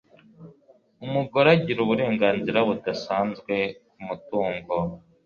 umugore agira uburenganzira budasanzwe k'umutungo